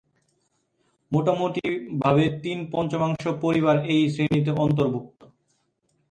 মোটামুটিভাবে তিন-পঞ্চমাংশ পরিবার এই শ্রেণীতে অর্ন্তভুক্ত।